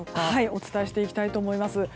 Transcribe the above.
お伝えしていきたいと思います。